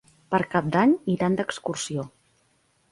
Per Cap d'Any iran d'excursió.